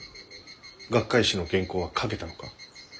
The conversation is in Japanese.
学会誌の原稿は書けたのか？